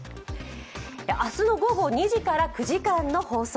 明日の午後２時から９時間の放送。